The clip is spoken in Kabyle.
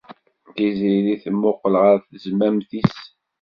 Tiziri temmuqqel ɣer tezmamt-is.